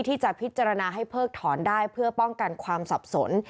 ที่จะพิจารณาให้เพิกถอนได้เพื่อป้องกันความสับสน